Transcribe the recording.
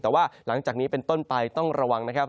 แต่ว่าหลังจากนี้เป็นต้นไปต้องระวังนะครับ